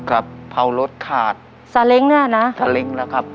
ครับเผารถขาดซาเล้งเนี้ยนะซาเล้งแล้วครับ